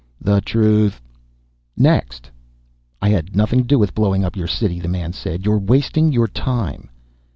"The truth." "Next!" "I had nothing to do with blowing up your city," the man said. "You're wasting your time."